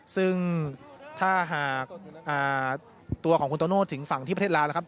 ซึ่งถ้าหากตัวของคุณโตโน่ถึงฝั่งที่ประเทศลาวแล้วครับ